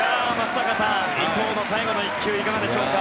伊藤の最後の１球いかがでしょうか。